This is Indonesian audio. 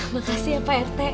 makasih ya pak rt